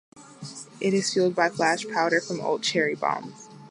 It is fueled by flash powder from old cherry bombs.